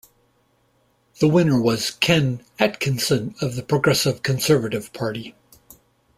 The winner was Ken Atkinson of the Progressive Conservative Party.